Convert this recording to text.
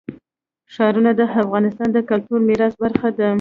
ښارونه د افغانستان د کلتوري میراث برخه ده.